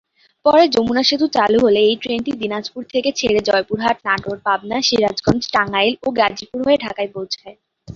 পরে যমুনা সেতু চালু হলে এই ট্রেনটি দিনাজপুর থেকে ছেড়ে জয়পুরহাট, নাটোর, পাবনা, সিরাজগঞ্জ, টাঙ্গাইল ও গাজীপুর হয়ে ঢাকায় পৌছায়।